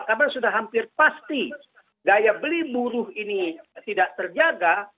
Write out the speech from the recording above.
karena sudah hampir pasti gaya beli buruh ini tidak terjaga